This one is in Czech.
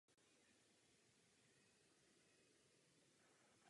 Po smrti královny Viktorie se Jiřího otec stal králem.